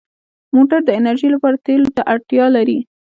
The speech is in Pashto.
موټر د انرژۍ لپاره تېلو ته اړتیا لري.